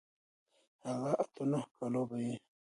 هغه اتو نهو کالو به و.